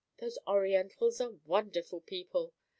Those Orientals are wonderful people!